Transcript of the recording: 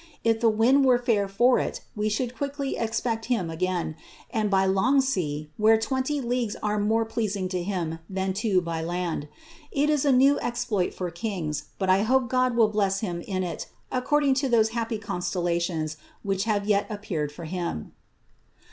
If the wind were fair for it, we should quickly exjxTt him again, and by hmt^ sea,' where twenty leagues are more pleasing to. him than two by land. It is a new exploit tor kings, hot I hnpv God will bless him in it, according to those happy constdlatiooi wliich have yet appeared for him.''